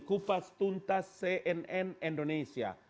kupas tuntas cnn indonesia